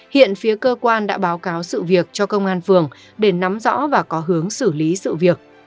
hiện phía cơ quan đã báo cáo sự việc cho công an phường để nắm rõ và có hướng xử lý sự việc